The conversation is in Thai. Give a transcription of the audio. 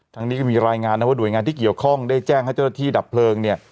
นี้ก็มีรายงานนะว่าหน่วยงานที่เกี่ยวข้องได้แจ้งให้เจ้าหน้าที่ดับเพลิงเนี่ย